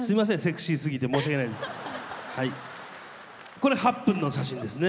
これ８分の写真ですね。